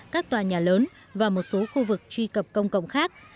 các tòa nhà lớn và một số khu vực truy cập công cộng khác